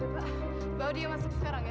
bahwa dia masuk sekarang ya